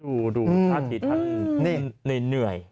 ดูดูดูอาทิตย์ท่านหน่วย